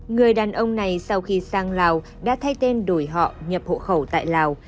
người đàn ông này sau khi sang lào đã thay tên đổi họ nhập hộ khẩu tại lào